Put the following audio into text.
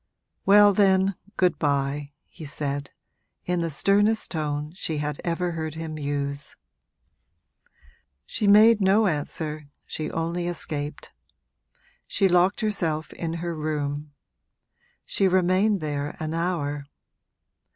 'Well then, good bye,' he said, in the sternest tone she had ever heard him use. She made no answer, she only escaped. She locked herself in her room; she remained there an hour.